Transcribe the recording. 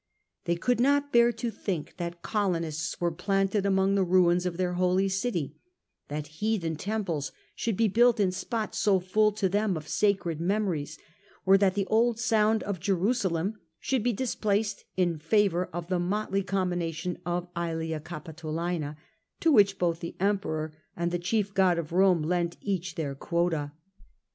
They could not bear to think that colonists were planted among the ruins of their Holy City ; that heathen temples should be built in spots so full to them of sacred memories, or that the old sound of Jerusalem should be displaced in favour of the motley combination of yElia Capitolina, to which both the Emperor and the chief god of Rome lent each their quota.